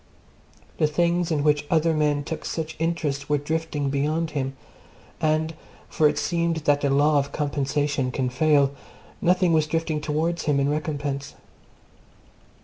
The things in which other men took such interest were drifting beyond him, and (for it seemed that the law of compensation can fail) nothing was drifting towards him in recompense.